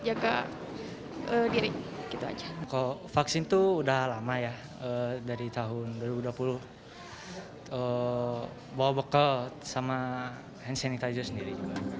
jaga diri kita aja kok vaksin tuh udah lama ya dari tahun dua ribu dua puluh bawa bekal sama hand sanitizer sendiri